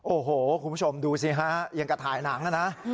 โอโหคุณผู้ชมดูซิฮะอย่างเข้ากันถ่ายหนังนะนะ